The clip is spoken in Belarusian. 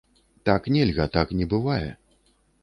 Так нельга, так не бывае.